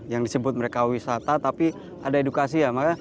yang disebut mereka wisata tapi ada edukasi ya